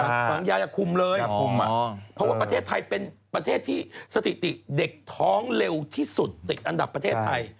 ฝังยาจะคุมเลยพอว่าประเทศไทยเป็นประเทศที่สติติเด็กท้องเร็วที่สุดอันดับประเทศไทย